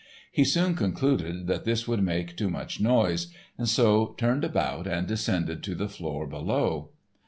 He soon concluded that this would make too much noise, and so turned about and descended to the floor below.